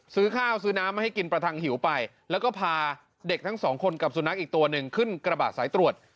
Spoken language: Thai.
ซื้อข้าวซื้อน้ำมาให้กินประทังหิวไปแล้วก็พาเด็กทั้งสองคนกับสุนัขอีกตัวหนึ่งขึ้นกระบะสายตรวจ